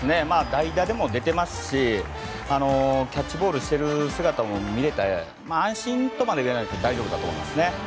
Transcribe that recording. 代打でも出ていますしキャッチボールしている姿も見れて安心とまでは言えないですけど大丈夫だと思いますね。